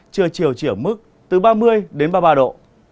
chưa chiều chỉ ở mức từ ba mươi ba mươi ba độ